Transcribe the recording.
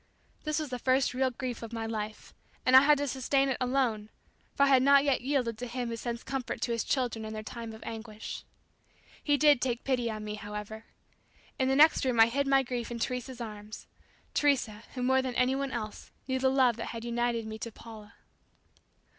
This was the first real grief of my life, and I had to sustain it alone for I had not yet yielded to Him who sends comfort to His children in their time of anguish. He did take pity on me, however. In the next room I hid my grief in Teresa's arms Teresa, who more than anyone else, knew the love that had united me to Paula.